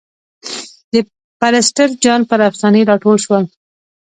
د پرسټر جان پر افسانې را ټول شول.